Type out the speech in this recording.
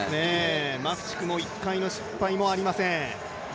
マフチクも１回の失敗もありません。